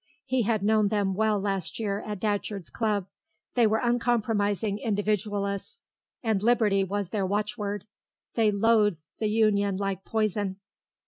He had known them well last year at Datcherd's club; they were uncompromising individualists, and liberty was their watchword. They loathed the Union like poison.